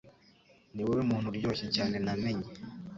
Ni wowe muntu uryoshye cyane namenye